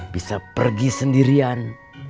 bisa pergi sendirian